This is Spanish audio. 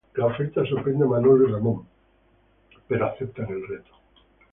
La oferta sorprende a Manolo y a Ramón, pero aceptan el reto.